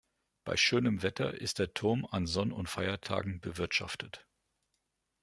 Bei schönem Wetter ist der Turm an Sonn- und Feiertagen bewirtschaftet.